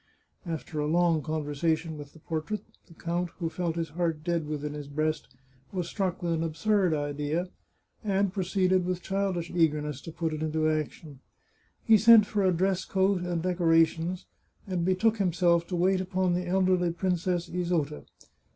After a long conversation with the portrait, the count, who felt his heart dead within his breast, was struck with an absurd idea, and proceeded, with childish eagerness, to put it into action. He sent for a dress coat and decora tions, and betook himself to wait upon the elderly Princess Isota.